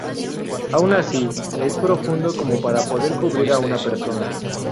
Aun así, es profundo como para poder cubrir a una persona.